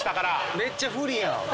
めっちゃ不利やん。